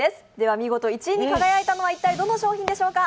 見事１位に輝いたのは一体どの商品でしょうか。